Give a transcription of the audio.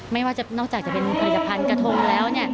ไม่ว่านอกจากจะเป็นผลิตภัณฑ์กระทงแล้ว